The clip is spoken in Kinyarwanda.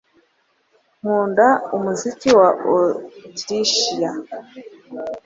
Nkunda umuziki wa Otirishiya.